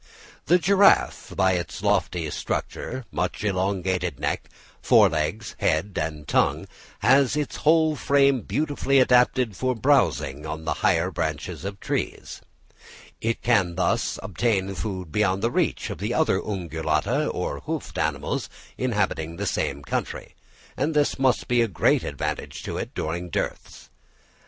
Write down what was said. The giraffe, by its lofty stature, much elongated neck, fore legs, head and tongue, has its whole frame beautifully adapted for browsing on the higher branches of trees. It can thus obtain food beyond the reach of the other Ungulata or hoofed animals inhabiting the same country; and this must be a great advantage to it during dearths.